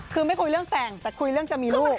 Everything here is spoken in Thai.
คือไม่คุยเรื่องแต่งแต่คุยเรื่องจะมีลูก